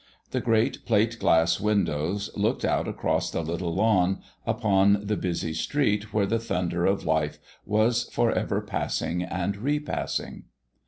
The great plate glass windows looked out across the little lawn upon the busy street where the thunder of life was forever passing and repassing.